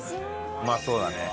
うまそうだね。